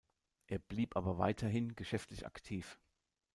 Er blieb aber weiterhin geschäftlich aktiv.